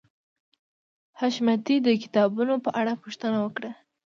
حشمتي د کتابونو په اړه پوښتنه وکړه